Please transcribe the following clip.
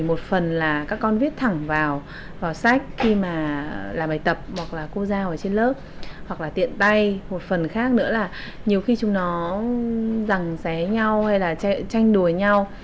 một phần khác nữa là nhiều khi chúng nó rằng xé nhau hay là tranh đùa nhau